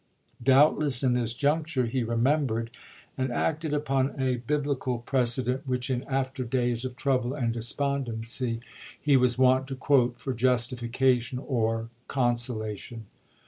Doubtless in this juncture he remembered and acted upon a biblical precedent THE QUESTION OF SUMTER 379 which ill after days of trouble and despondency ch. xxiii. he was wont to quote for justification or consola tion.